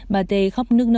bà t khóc nước nở